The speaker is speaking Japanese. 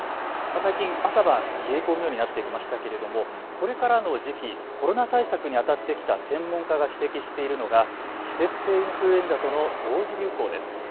最近、朝晩冷え込むようになってきましたけれどもこれからの時期コロナ対策にあたってきた専門家が指摘しているのが季節性インフルエンザとの同時流行です。